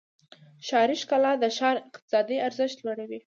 ښاري ښکلا د ښار اقتصادي ارزښت لوړوي.